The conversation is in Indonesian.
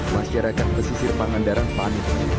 masyarakat pesisir panggandaran panik